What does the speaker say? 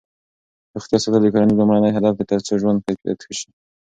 روغتیا ساتل د کورنۍ لومړنی هدف دی ترڅو ژوند کیفیت ښه شي.